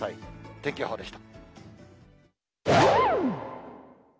天気予報でした。